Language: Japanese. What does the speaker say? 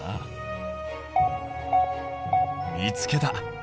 見つけた。